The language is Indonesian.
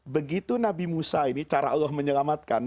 begitu nabi musa ini cara allah menyelamatkan